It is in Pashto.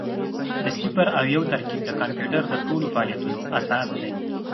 د صفر او یو ترکیب د کمپیوټر د ټولو فعالیتونو اساس دی.